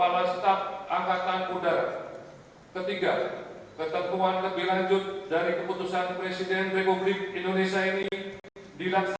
lalu kebangsaan indonesia baik